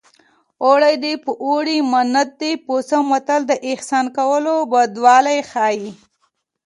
اوړه دې په اوړه منت دې په څه متل د احسان کولو بدوالی ښيي